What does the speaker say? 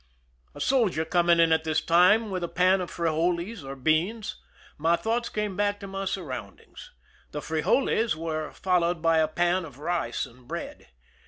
A soldier coming in at this time with a pan of frijoles, or beans, my thoughts came back to my surroundings. The frijoles were followed by a pan of rice and bread.